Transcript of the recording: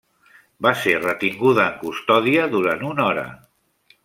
Va ser retinguda en custòdia durant una hora.